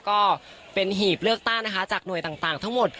ก็เป็นหีบเลือกตั้งนะคะจากหน่วยต่างทั้งหมด